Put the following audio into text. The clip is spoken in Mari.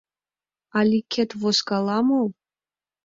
— Аликет возкала мо?